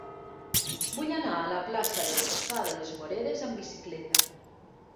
Vull anar a la plaça del Fossar de les Moreres amb bicicleta.